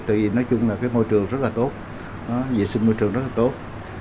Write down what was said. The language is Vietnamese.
tại vì nói chung là cái môi trường rất là tốt vệ sinh môi trường rất là tốt